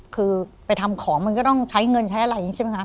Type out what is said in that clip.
คือไปทำของมันก็ต้องใช้เงินใช้อะไรอย่างนี้ใช่ไหมคะ